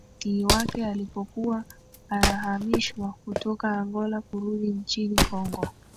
ti wake alipokuwa anahamishwa kutoka angola kurudi nchini congo